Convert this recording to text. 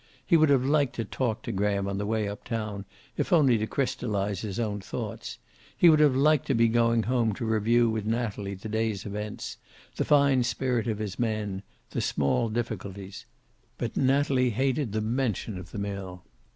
He would have liked to talk to Graham on the way up town, if only to crystallize his own thoughts. He would have liked to be going home to review with Natalie the day's events, the fine spirit of his men, the small difficulties. But Natalie hated the mention of the mill.